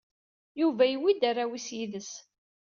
Yuba yewwi-d arraw-is yid-s.